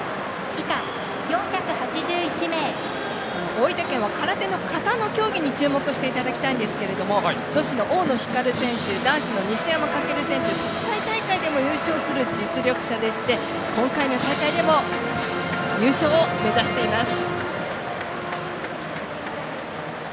大分県は空手の型に注目していただきたいんですけれども女子の大野選手男子の西山走選手国際大会でも優勝する実力者で今回の大会でも優勝を目指しています。